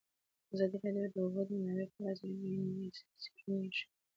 ازادي راډیو د د اوبو منابع په اړه څېړنیزې لیکنې چاپ کړي.